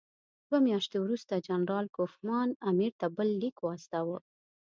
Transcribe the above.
دوه میاشتې وروسته جنرال کوفمان امیر ته بل لیک واستاوه.